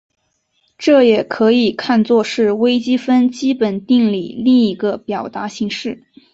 这也可以看作是微积分基本定理另一个表达形式。